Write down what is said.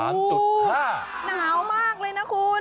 หนาวมากเลยนะคุณ